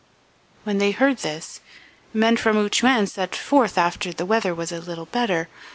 . "When they heard this, men from Ouatchouan set forth after the weather was a little better.